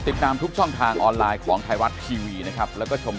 ติดตามทุกช่องทางออนไลน์ของไทยรัฐทีวีนะครับแล้วก็ชม